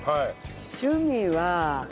趣味は。